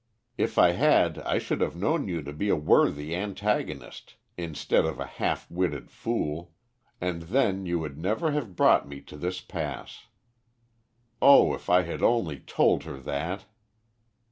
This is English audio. If I had I should have known you to be a worthy antagonist instead of a half witted fool, and then you would never have brought me to this pass. Oh, if I had only told her that!"